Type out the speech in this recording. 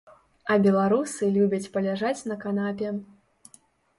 А беларусы любяць паляжаць на канапе.